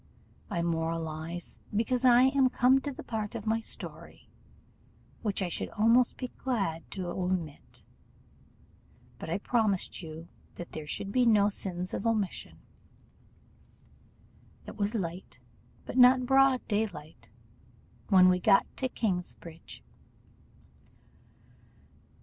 I moralize, because I am come to a part of my story which I should almost be glad to omit; but I promised you that there should be no sins of omission. It was light, but not broad daylight, when we got to Knightsbridge.